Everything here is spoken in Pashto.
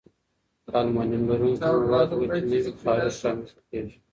که المونیم لرونکي مواد وچ نه وي، خارښت رامنځته کېږي.